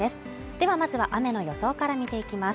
ではまずは雨の予想から見ていきます。